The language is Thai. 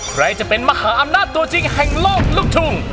ใครจะเป็นมหาอำนาจตัวจริงแห่งโลกลูกทุ่ง